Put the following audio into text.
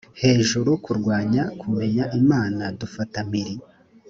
hejuru kurwanya kumenya imana dufata mpiri